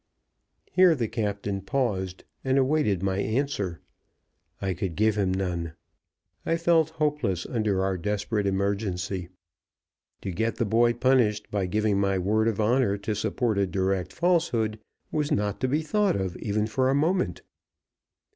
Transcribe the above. Here the captain paused and awaited my answer. I could give him none. I felt hopeless under our desperate emergency. To get the boy punished by giving my word of honor to support a direct falsehood was not to be thought of even for a moment.